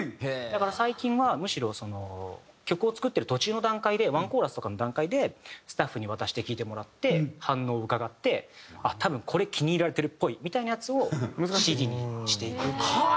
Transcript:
だから最近はむしろ曲を作ってる途中の段階でワンコーラスとかの段階でスタッフに渡して聴いてもらって反応をうかがって多分これ気に入られてるっぽいみたいなやつをＣＤにしていくという。